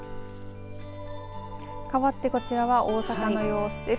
かわってこちらは大阪の様子です。